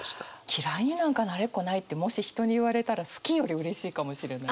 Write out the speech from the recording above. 嫌いになんかなれっこないってもし人に言われたら好きよりうれしいかもしれない。